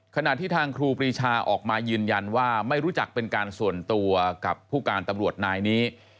ขณะที่ทางครูปรีชาออกมายืนยันว่าไม่รู้จักเป็นการส่วนตัวกับผู้การตำรวจนายนี้